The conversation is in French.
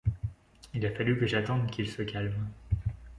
Il a fallu que j’attende qu’il se calme.